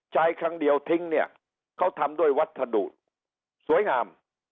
ครั้งเดียวทิ้งเนี่ยเขาทำด้วยวัตถุสวยงาม